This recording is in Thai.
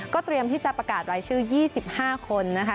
เตรียมที่จะประกาศรายชื่อ๒๕คนนะคะ